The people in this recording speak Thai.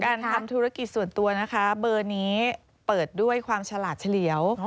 ทำธุรกิจส่วนตัวนะคะเบอร์นี้เปิดด้วยความฉลาดเฉลียว